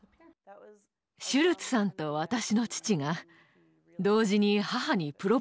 シュルツさんと私の父が同時に母にプロポーズしたらしいです。